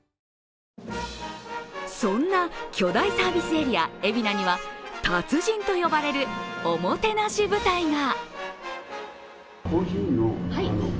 そんな巨大サービスエリア、海老名には達人と呼ばれるおもてなし部隊が。